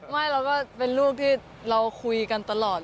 ไม่เราก็เป็นรูปที่เราคุยกันตลอด